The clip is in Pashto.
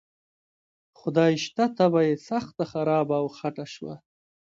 خدای شته طبعه یې سخته خرابه او خټه شوه.